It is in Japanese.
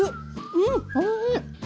うんおいしい！